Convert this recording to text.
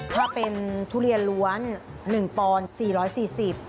ถ้าเป็นทุเรียนล้วน๑ปอนด์๔๔๐บาท